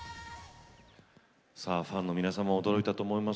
ファンの皆さんも驚いたと思います。